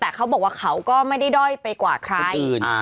แต่เขาบอกว่าเขาก็ไม่ได้ด้อยไปกว่าใคร